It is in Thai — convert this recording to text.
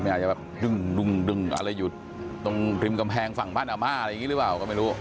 อาจจะแบบดึงอะไรอยู่ตรงริมกำแพงฝั่งบ้านอาม่าอะไรอย่างนี้หรือเปล่าก็ไม่รู้